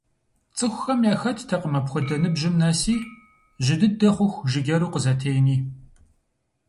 ЦӀыхухэм яхэттэкъым апхуэдэ ныбжьым нэси, жьы дыдэ хъуху жыджэру къызэтени.